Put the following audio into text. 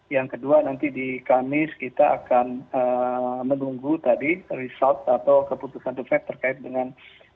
yang kedua nanti di kamis kita akan menunggu tadi result atau keputusan the fed terkait dengan